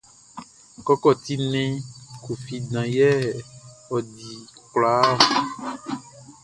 Kɔkɔti nnɛn Koffi dan yɛ ɔ dili kwlaa ɔ.